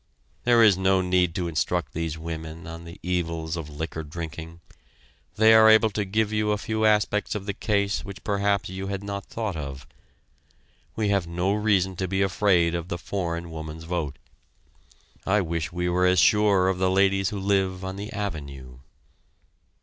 There is no need to instruct these women on the evils of liquor drinking they are able to give you a few aspects of the case which perhaps you had not thought of. We have no reason to be afraid of the foreign woman's vote. I wish we were as sure of the ladies who live on the Avenue.